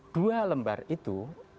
dua lembar itu